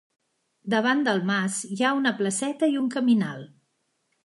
Davant del mas hi ha una placeta i un caminal.